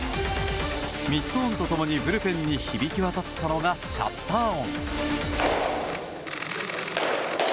ミット音と共にブルペンに響き渡ったのがシャッター音。